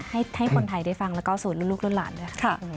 ให้คนไทยได้ฟังแล้วก็สูตรรุ่นลูกรุ่นหลานด้วยค่ะ